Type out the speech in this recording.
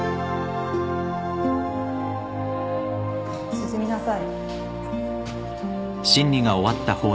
進みなさい。